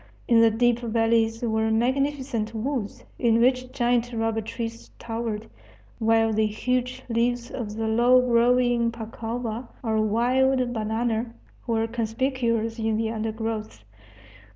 In the deep valleys were magnificent woods, in which giant rubber trees towered, while the huge leaves of the low growing pacova, or wild banana, were conspicuous in the undergrowth.